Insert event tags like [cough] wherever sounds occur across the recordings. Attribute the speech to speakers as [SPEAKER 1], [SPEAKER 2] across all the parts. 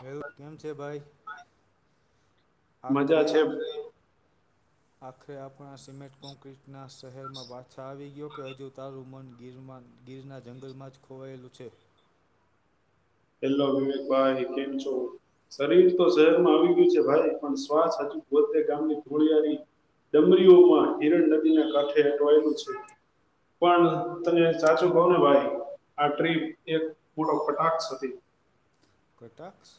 [SPEAKER 1] હેલ કેમ છે ભાઈ?
[SPEAKER 2] મજા
[SPEAKER 1] આખરે
[SPEAKER 2] છે ભાઈ.
[SPEAKER 1] આખરે આપણા સિમેન્ટ કોન્ક્રિટના શહેરમાં પાછા આવી ગયો કે હજુ તારું મન ગીર ગીરના જંગલમાં જ ખોવાયેલું છે.
[SPEAKER 2] હેલો વિવેકભાઈ, કેમ છો? શરીર તો શહેરમાં આવી ગયું છે ભાઈ પણ શ્વાસ હજુ પોતે ગામની થોડીયારી ડમરીઓમાં હિરણ નદીના કાંઠે અટવાયેલું છે. પણ તને સાચું કવને ભાઈ આ ટ્રીપ એક મોટો કટાક્ષ છે. છે.
[SPEAKER 1] કટાક્ષ!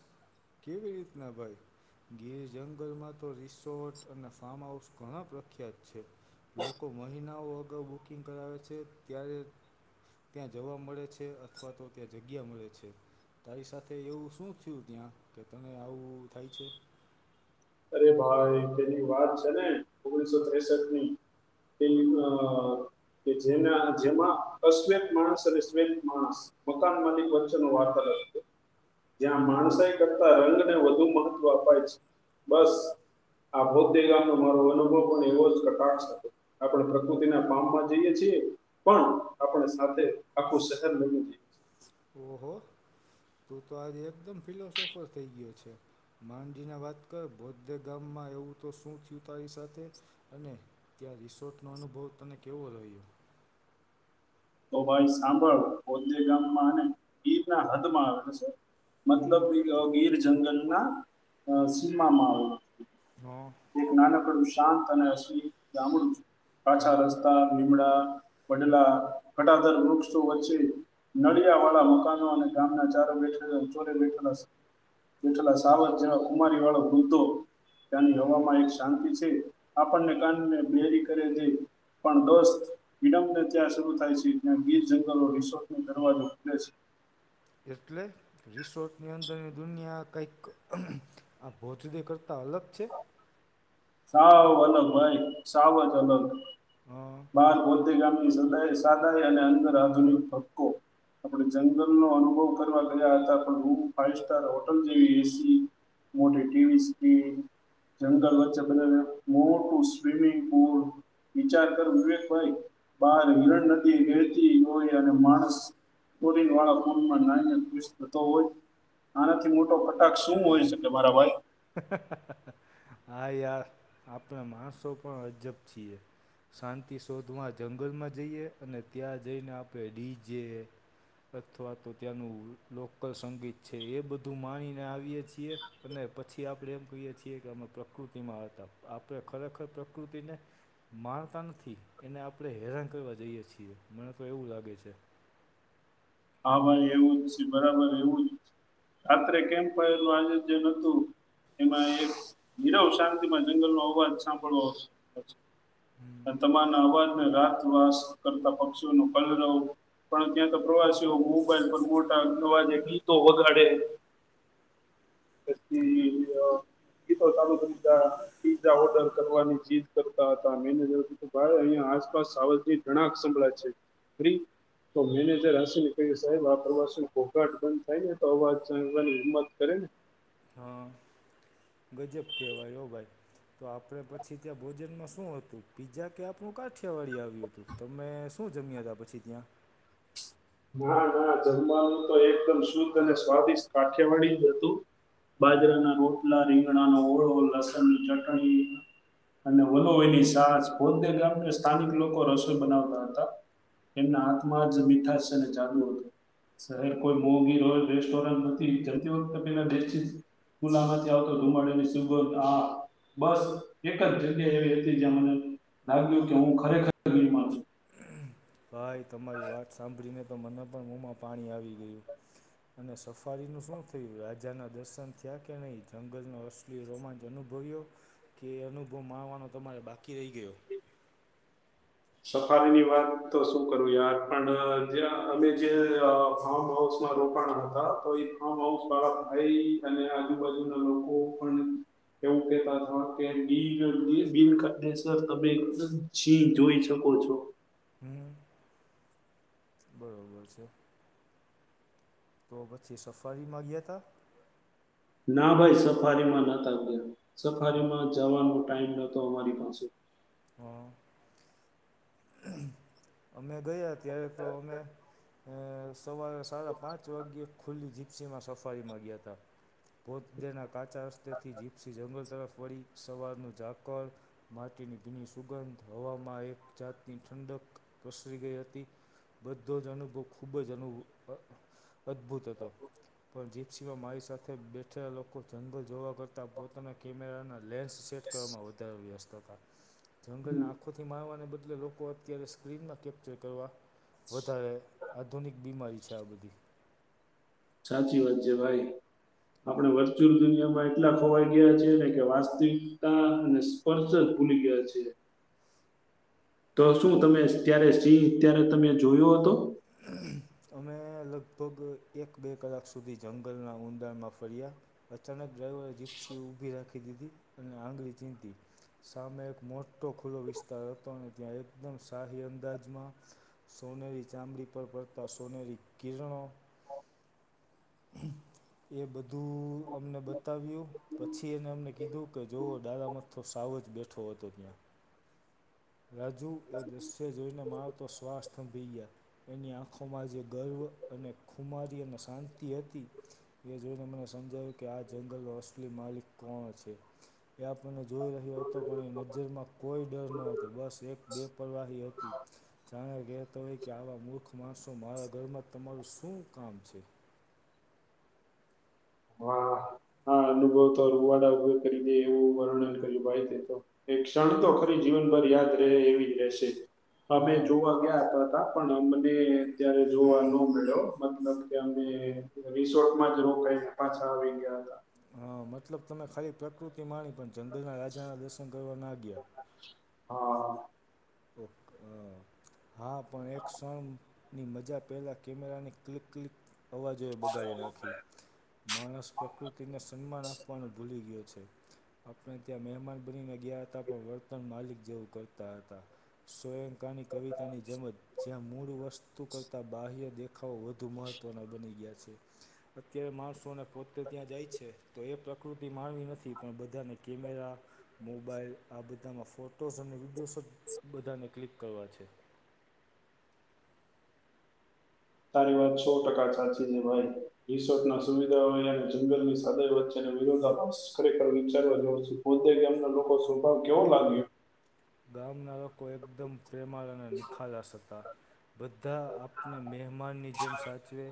[SPEAKER 1] કેવી રીતના ભાઈ? ગીર જંગલમાં તો રિસોર્ટ અને ફાર્મ હાઉસ ઘણાં પ્રખ્યાત છે. લોકો મહિનાઓ અગાઉ બુકિંગ કરાવે છે ત્યારે ત્યાં જવા મળે છે અથવા તો ત્યાં જગ્યા મળે છે તારી સાથે તે એવું શું થયું ત્યાં કે તને આવું થાય છે?
[SPEAKER 2] અરે ભાઈ પેલી વાત છે ને ઓગણીસસો ત્રેસઠની પેલી અ કે જેના જેમાં અશ્વેત માણસ અને શ્વેત માણસ મકાન મલિક વચ્ચેનો વાર્તાલાપ જ્યાં માણસ
[SPEAKER 1] હમ
[SPEAKER 2] એ કરતા રંગને વધુ મહત્વ અપાય છે. બસ આ બૌદ્ધે ગામનો મારો અનુભવ પણ એવો જ કટાક્ષ હતો. આપણે પ્રકૃતિના પામમાં જઈએ છીએ પણ આપણે સાથે આખું શહેર બની જઈએ. છીએ
[SPEAKER 1] ઓહો! તું તો આજે એકદમ ફિલોસોફર થઈ ગયો છે. માંડીને વાત કર બોદ્ધે ગામમાં એવું તો શું થયું તારી સાથે? અને ત્યાં રિસોર્ટનો અનુભવ તને કેવો રહ્યો?
[SPEAKER 2] તો ભાઈ સાંભળ બોદ્ધે ગામમાં અને ગીરના હદમાં અને શું
[SPEAKER 1] હમ
[SPEAKER 2] મતલબ કે ગીર જંગલના સીમામાં આવે.
[SPEAKER 1] હ.
[SPEAKER 2] એક નાનકડું શાંત અને અસલી ગામડું કાચા
[SPEAKER 1] હમ
[SPEAKER 2] રસ્તા, લીમડા વડલા, ઘટાધર વૃક્ષો વચ્ચે નળિયાવાળા મકાનો અને ગામના ચારો બેઠેલા ચોરે બેઠેલાં જેટલા સાવજ અને ખુમારીવાળા દૂધો હવામાં એક શાંતિ છે આપણને કાનને બેહરી કરે નઈ. પણ દોસ્ત વિડબને ત્યાં શરૂ થાય છે ત્યાં ગીર જંગલનો રિસોર્ટનો દરવાજો ખુલે છે.
[SPEAKER 1] એટલે? રિસોર્ટની અંદરની દુનિયા કંઈક આ ભોજડે કરતાં અલગ છે?
[SPEAKER 2] સાવ અલગ ભાઈ સાવ જ અલગ
[SPEAKER 1] હં
[SPEAKER 2] બાર ગોદ રે ગામની સાદાઈ અને અંદર આધુનિક હક્કો. આપણે જંગલનો અનુભવ કરવા ગયા હતાં પણ રૂમ ફાઈવ સ્ટાર હોટલ જેવી એસી મોટી ટીવી સ્ક્રીન, જંગલ વચ્ચે અને મોટું સ્વિમિંગ પૂલ. વિચાર કર વિવેકભાઈ બહાર હિરણ નદી વેહતી હોય અને માણસ કોરીવાળા પૂલમાં નાહીને ખુશ થતો હોય. આનાથી મોટો કટાક્ષ શું હોય શકે મારા ભાઈ?
[SPEAKER 1] હા યાર, આપણે માણસો પણ અજબ છીએ. શાંતિ શોધવા જંગલમાં જઈએ અને ત્યાં જઈને આપણે ડીજે અથવા તો ત્યાંનું લોકલ સંગીત છે એ બધું માણીને આવીએ છીએ. અને પછી આપણે એમ કહીએ છીએ કે અમે પ્રકૃતિમાં હતા આપણે ખરેખર પ્રકૃતિને માણતા નથી એને આપણે હેરાન કરવા જઈએ છીએ મને તો એવું લાગે છે.
[SPEAKER 2] હા ભાઈ એવું જ છે બરાબર એવું જ, રાત્રે કેમ પહેલું આયોજન હતું? એમાં એક નિરવ શાંતિમાં જંગલનો અવાજ સાંભળવો. અને તમારના અવાજને રાતવાસ કરતાં પક્ષીઓનું કલરવ પણ ત્યાં તો પ્રવાસ મોબાઈલ પર મોટા અવાજે ગીતો વગાડે. તેથી અ ગીતો ચાલુ થઈ જા. પીઝા ઓર્ડર કરવાની જીદ કરતા હતા મેનેજર હત ભાઈ અહીંયા આસપાસ સાવલજી ઘણા સંભળાય છે ફ તો મેનેજર આસીને કહ્યું સાહેબ આ પ્રવાસનું ઘોંઘાટ બંધ થાય ને તો અવાજ જાણવાની હિંમત કરે ને
[SPEAKER 1] હા ગજબ કહેવાયયો ભાઈ તો આપણે પછી ત્યાં ભોજનમાં શું હતું પીઝા કે આપણું કાઠિયાવાડી આવ્યું હતું? તમે શું જમ્યા હતા પછી ત્યાં?
[SPEAKER 2] ના ના જમવાનું તો એકદમ શુદ્ધ અને સ્વાદિષ્ટ કાઠિયાવાડી જ હતું
[SPEAKER 1] હા
[SPEAKER 2] બાજરાના રોટલા, રીંગણાનો ઓળ, લસણ ચટણી અને વલો એની છાસ પોતે ગામ સ્થાનિક લોકો રસોઈ બનાવતા હતા. એમના હાથમાં જ મીઠા છે અને જાદુ હતું. શહેર કોઈ મોગી રોયલ રેસ્ટોરન્ટ નથી જતી વખતે પેલા બે કુલામાં આવતો ધુમાડની સુગોધ હા બસ એક જ જગ્યા એવી હતી જયા મને લાગ્યું કે હું ખરેખર મા છે,
[SPEAKER 1] ભાઈ તમારી વાત સાંભળીને પણ મને પણ મોમાં પાણી આવી ગયું. અને સફારીનું શું થયું રાજા ના દર્શન થયા કે નહી જંગલનો એટલી રોમાંચ અનુભવ્યો કે એ અનુભવ માણવાનો તમારે બાકી રહી ગયો?
[SPEAKER 2] સફારીની વાત તો શું કરું યાર પણ જે અમે જે ફારમ હાઉસ રોકાણા હતા તો ફાર્મ હાઉસ વાળા ભાઈ અને આજુબાજુના લોકો પણ એવું કેતા કે. [unintelligible] [inaudible] છો.
[SPEAKER 1] હમ છે તો પછી સફારીમાં ગયા તા?
[SPEAKER 2] ના ભાઈ સફારીમાં નતા ગયા સફારીમાં જવાનો ટાઈમ નતો અમારી પાસે
[SPEAKER 1] હા અમે ગયા ત્યારે તો અમે અ સવારે સાડા પાંચ વાગ્યે ખુલ્લી જીપ્સીમાં સફારી માગયા હતા. ભોતદેના કાચા રસ્તેથી જીપસી જંગલ તરફ વળી સવારનું ઝાકર માટીની ભીની સુગંધ હવામાં એક જાતની ઠંડક પ્રસરી ગઈ હતી. બધો જ અનુભવ ખૂબ જ અનુ અદભુત હતો પણ જે, સિવાય મારી સાથે બેઠેલા લોકો જંગલ જોવા કરતા પોતાના કેમેરાના લેન્સ સેટ [inaudible] વ્યવસ્થ હતા.
[SPEAKER 2] હમ,
[SPEAKER 1] જંગલને આંખોથી માણવાને બદલે લોકો અત્યારે સ્ક્રીનમાં કેપ્ચર કરવા, વધારે આધુનિક બીમારી છે આ બધી.
[SPEAKER 2] સાચી વાત છે ભાઈ. આપણે વર્ચ્યુઅલ દુનિયામાં એટલા ખોવાઈ ગયા છેએ ને કે વાસ્તવિકતા અને પર્ચદ ભુલે ગયા છે. તો શું તમે ત્યારે સિંહ ત્યારે તમે જોયો હતો?
[SPEAKER 1] અમે લગભગ એક બે કલાક સુધી જંગલના ઊંડાણમાં ફર્યા. અચાનક ડ્રાઈવરે જીપ્સી ઉભી રાખી દીધી અને આંગળી ચીંધી. સામે એક મોટો ખુલ્લો વિસ્તાર હતો અને ત્યાં એકદમ સહી અંદાજમાં સોનેરી ચામડી પર પડતા સોનેરી કિરણો, એ બધું અમને બતાવ્યું. પછી એને એમને કીધું કે જોઓ દાદા મથથો સાવ જ બેઠો હતો ત્યાં. રાજુ એ દૃશ્ય જોઈને મારતો શ્વાસ થંભી ગયા. એની આંખોમાં જે ગર્વ અને ખુમારી અને શાંતિ હતી. એ જોઈને મને સમજાવ્યું કે આ જંગલ અસ્લી માલિક કોણ છે? એ આપણને જોઈ રહ્યો હતો પણ એ નજરમાં કોઈ ડર નતો. તો બસ એક બેપવાહી હતી. જાયા કેતા હોય કે આવા મૂખ માયસો માયા ઘયમાં તમારુ શું કામ છે?
[SPEAKER 2] હા વવતર રુવાટા ઊભુ કરી દે, એવું વર્ણન કર્યું ભાઈ તે તો. એક ક્ષણ તો ખરી જીવનભર યાદ રહે એવી જ રહેશે. આપડે
[SPEAKER 1] હા
[SPEAKER 2] જોવા ગ્યા તા હતા પણ અમને ત્યારે જોવા ન મળ્યો. મતલબ કે અમે રિસોટમાં જવું કઈ ને પાછા આવી ગીયા તા.
[SPEAKER 1] હા મતલબ, તમે ખાલી પ્રકૃતિ માણી પણ જંગલના રાજા દસન કયવા ના ગયા.
[SPEAKER 2] હા.
[SPEAKER 1] [unintelligible] હા પણ એક ક્સણની મજા પેલાં કેમેરાની ક્લિક ક્લિક અવાજોએ બગાયી નાખી. માણસ પ્રકુતિને સન્માન આપવાનું ભૂલી ગયો છે. આપણે ત્યાં મહેમાન બનીને ગીયા તા પણ વર્તન માલિક જેવું કરતા હતા. સોયંકાની કવિતાની જેમજ જ્યાં મૂળ વસ્તુ કરતાં બાહ્ય દેખ ખાવ વધુ મહત્વના બની ગીયા છે. અત્યારે માયસોને પોતે ત્યાં જાય છે તો એ પ્રકૃતિ માણવીની નથી પણ બધાને કેમેયા મોબાઈલ આ બધામાં ફોટોઝ અને વિડીયોઝ જ બધાને ક્લિક કયવા છે.
[SPEAKER 2] તારી વાત સો ટકા ચાછી છે ભાય. રિસોર્ટ ના સુવિધાઓ અને જંગલની સગાઈ વચ્ચે વિરોધાભાસ ખરેખર વિચારવા જેવો છે. [unintelligible] લોકો સ્ભાવ કેવો લા
[SPEAKER 1] ગામના લોકો એકદમ પ્રેમાળ અને નિખાલાસ હતા. બધા આપને મહેમાનની જેમ સાચવે.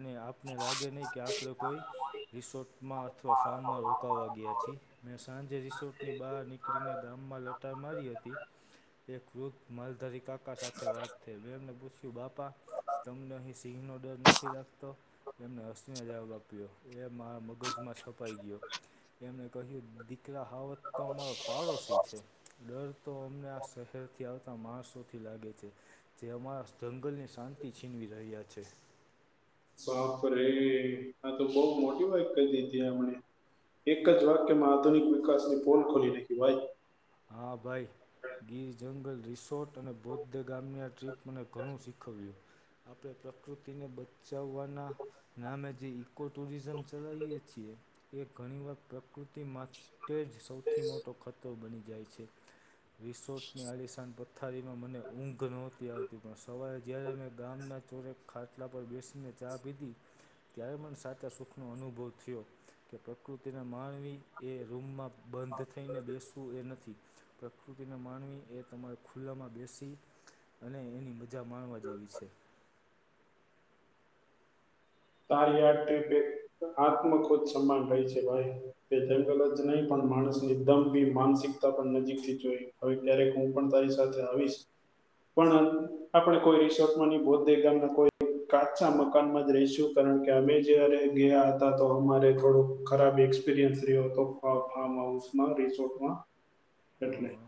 [SPEAKER 1] અને આપને લાગે નઈ કે આપડે કોઈ રિસોટમાં અથવા ફામમા રોકાવા ગીયા છે. મેં સાંજે રિસોટની બહાર નીક ક્ળીને ગામમાં લટાર મારી હતી, તે કૃત માલધારી કાકા સાથે વાત થઈ. મે એમને પૂછ્યું, બાપા તમને અહીં સિંહ નો ડર નથી લાગતો? એમને હસીને જવાબ આપ્યો એ માયા મગજમાં છપાઈ ગીયો. એમને કહ્યું, દીકરા હાવત તો અમાયો પાડોશી છે. ડર તો અમને આ શહેયથી આવતા માયસોથી લાગે છે. જે અમાયા જંગલની શાંતિ છીનવી રહ્યા છે.
[SPEAKER 2] બાપ રે! આતો બોઉ મોટી વાય કઈ દીધી એમણે. એક જ વાક્યમાં આધુનિક વિકાસની પોલ ખોલી નાયખી ભઈ.
[SPEAKER 1] હા ભાઈ. ગીર જંગલ, રિસોટ અને બૌદ્ધ ગામની આ ટ્રીપ મને ઘણું શીખવ્યું. આપણે પ્રકૃતિને બચ્ચાવવાના નામે જે ઈકો ટુરિઝમ ચલાવીએ છીએ. એ ઘણી વાર પ્રકૃતિમાં તે જ સૌથી મોટો ખતયો બની જાય છે. રિસોટની આલિસાન પથ્થારીમાં મને ઊંઘ નોતી આવતી, પણ સવારે જ્યારે મેં ગામના ચોરે ખાટલા પર બેસીને ચા પીધી. ત્યાયે મને સાચા સુખનો અનુભવ થિયો કે પ્રકૃતિને માણવી એ રૂમમાં બંધ થઈને બેસવું એ ન થી, પ્રકૃતિને માણવી એ તમારે ખુલ્લામાં બેસી અને એની મજા માણવા જેવી છે.
[SPEAKER 2] તારી [unintelligible] આત્મ ખોદ સન્માન રેય છે ભાઈ. તે જંગલ જ નહીં પણ માણસની ધમતી માનસિકતા પણ નજીક થી જોઈ. અવે ક્યારેક હું પણ તારી સાથે આવીસ. પણ આપણેે કોઈ રિસોટમાં ની બોદ્ધે ગામના કોઈ કાચા મકાનમાં જ રહીશું. કારણ કે અમે જયારે ગીયા તા, તો અમારે થોડુંક ખરાબ એક્સપિરિયન્સ રીયો તો. ફા ફાર્મ હાઉસમાં રિસોર્ટમાં એટલે
[SPEAKER 1] હં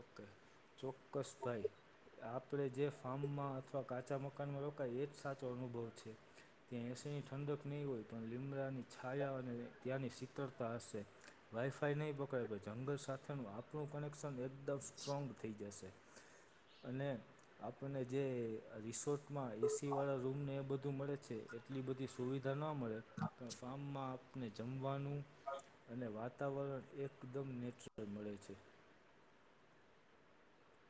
[SPEAKER 1] ઓકે ચોક્કસ ભાઈ. આપણે જે ફાર્મમાં અથવા કાચા મકાનમાં રોકાય એ જ સાચો અનુભવ છે. ત્યાં એસીની ઠંડક નઈ હોય પણ લીમડાની છાયા અને ત્યાંની શીતળતા હશે. વાઈફાઈ નહીં પકડાય પણ જંગલ સાથેનું આપણું કનેક્શન એક એકદમ સ્ટ્રોંગ થઈ જાશે. અને આપણને જે રિસોર્ટમાં એસીવાળા રૂમને એ બધું મળે છે. એ એટલી બધી સુવિધા ના મળે. પણ ફાર્મમાં આપને જમવાનું અને વાતાવરણ એકદમ નેચરલ મળે છે.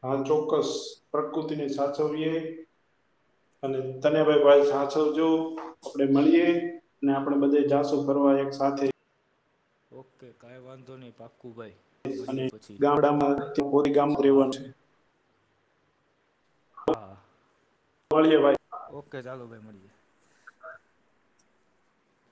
[SPEAKER 2] હા ચોક્કસ પ્રકૃતિને સાચવીએ. અને તન્યાભાઈ ભાઈ સાચવજો. આપડે મળીએ. ને આપડે બધે જાશું ફરવા એક સાથે.
[SPEAKER 1] ઓકે કાંઈ વાંધો નહી પાક્કું ભાઈ.
[SPEAKER 2] અને
[SPEAKER 1] મળીએ પછી
[SPEAKER 2] ગામડામાં ગામમાં
[SPEAKER 1] હા
[SPEAKER 2] રેવાનું છે.
[SPEAKER 1] હા
[SPEAKER 2] મલીએ ભાઈ.
[SPEAKER 1] ઓકે ચાલો ભાઈ મળીએ.